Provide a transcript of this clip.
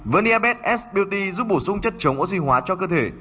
verniabed s beauty giúp bổ sung chất chống oxy hóa cho cơ thể